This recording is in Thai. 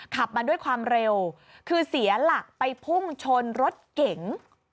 ขับมาด้วยความเร็วคือเสียหลักไปพุ่งชนรถเก๋ง